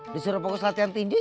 disuruh fokus latihan tinju ya kang